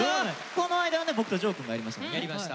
この間はね僕とジョーくんがやりましたもんね。